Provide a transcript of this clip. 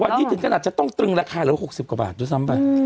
วันนี้ถึงกระหนักจะต้องตรึงราคาละ๖๐กว่าบาทดูสำคับ